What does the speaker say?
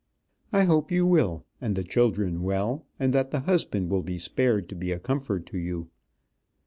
I hope you will and the children well, and that the husband will be spared to be a comfort to you."